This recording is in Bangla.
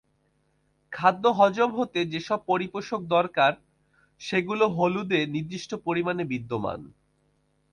খাদ্য হজম হতে যেসব পরিপোষক দরকার, সেগুলো হলুদে নির্দিষ্ট পরিমাণে বিদ্যমান।